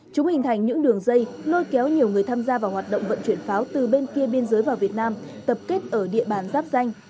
chúng hình thành những đường dây lôi kéo nhiều người tham gia vào hoạt động vận chuyển pháo từ bên kia biên giới vào việt nam tập kết ở địa bàn giáp danh